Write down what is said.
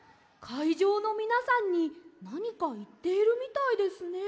いじょうのみなさんになにかいっているみたいですね。